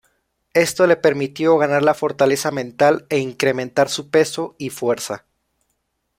Esto le permitió ganar la fortaleza mental e incrementar su peso y fuerza.